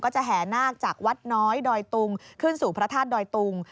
จะแห่นาคจากวัดน้อยดอยตุงขึ้นสู่พระธาตุดอยตุง